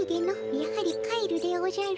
やはり帰るでおじゃる。